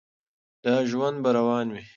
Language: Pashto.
دا ژوند به روان وي.